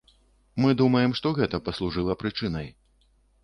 Мы думаем, што гэта паслужыла прычынай.